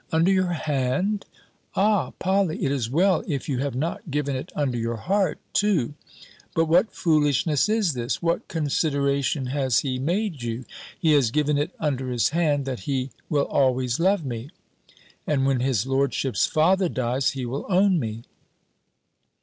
"Under your hand! Ah! Polly, it is well if you have not given it under your heart too. But what foolishness is this! What consideration has he made you?" "He has given it under his hand, that he will always love me; and when his lordship's father dies, he will own me."